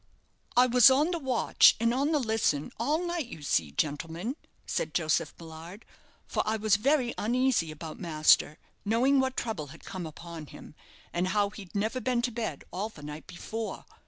"I was on the watch and on the listen all night, you see, gentlemen," said Joseph Millard; "for I was very uneasy about master, knowing what trouble had come upon him, and how he'd never been to bed all the night before.